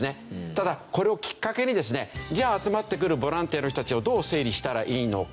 ただこれをきっかけにですねじゃあ集まってくるボランティアの人たちをどう整理したらいいのか。